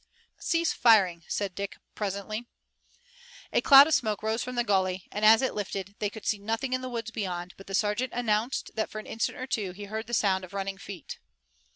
"Cease firing!" said Dick, presently. A cloud of smoke rose from the gully, and, as it lifted, they could see nothing in the woods beyond, but the sergeant announced that for an instant or two he heard the sound of running feet.